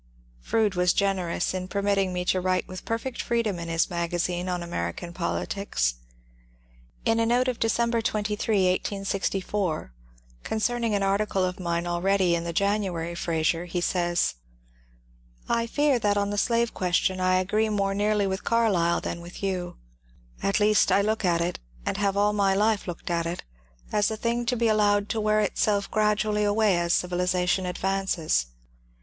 Froude was generous in permitting me to write with per fect freedom in his magazine on American politics. In a note of December 23, 1864, concerning an article of mine already in the January "Fnwer," he says: — I fear that on the slave question I agree more nearly with Carlyle than with you. At least I look at it, and have all my life looked at it, as a thing to be allowed to wear itself gradu ally away as civilization advances.